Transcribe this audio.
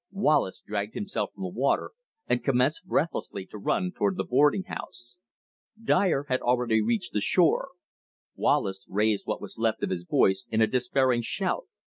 Wallace dragged himself from the water and commenced breathlessly to run toward the boarding house. Dyer had already reached the shore. Wallace raised what was left of his voice in a despairing shout.